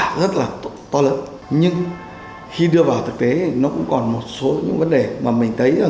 kết quả rất là to lớn nhưng khi đưa vào thực tế nó cũng còn một số những vấn đề mà mình thấy là